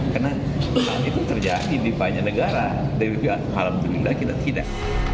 karena hal itu terjadi di banyak negara dari mana kita tidak